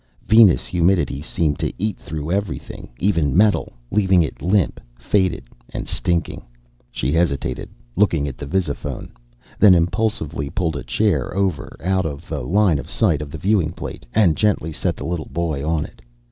Venus humidity seemed to eat through everything, even metal, leaving it limp, faded, and stinking. She hesitated, looked at the visiphone, then impulsively pulled a chair over out of the line of sight of the viewing plate and gently set the little boy on it.